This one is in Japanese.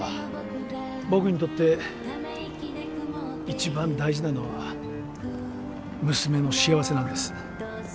僕にとって一番大事なのは娘の幸せなんです。